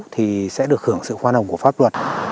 thì sẽ được hưởng sự khoan hồng của pháp luật